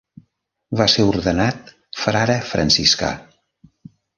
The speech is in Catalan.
Va ser ordenat frare franciscà.